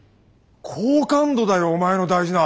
好感度だよお前の大事な。